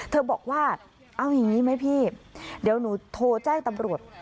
บอกว่าเอาอย่างนี้ไหมพี่เดี๋ยวหนูโทรแจ้งตำรวจ